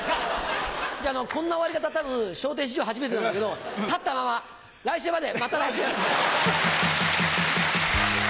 じゃあこんな終わり方多分『笑点』史上初めてなんだけど立ったまま来週までまた来週！